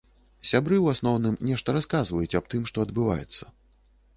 Сябры, у асноўным, нешта расказваюць аб тым, што адбываецца.